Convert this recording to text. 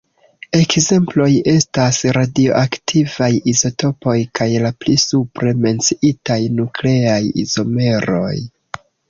Ekzemploj estas radioaktivaj izotopoj kaj la pli supre menciitaj nukleaj izomeroj.